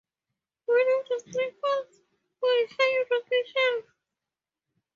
One of the springs falls from a high rocky shelf.